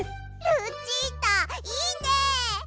ルチータいいね。